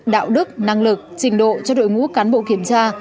đạo đức năng lực trình độ cho đội ngũ cán bộ kiểm tra